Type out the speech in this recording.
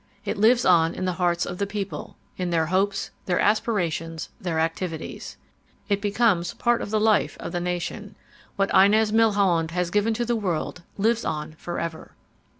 It lives on in the hearts of the people, in their hopes, their aspira tions, their activities. It becomes part of the life of the nation. What Inez Milholland has given to the world lives on forever.